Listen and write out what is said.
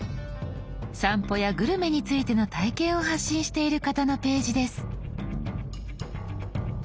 散歩やグルメについての体験を発信している方のページです。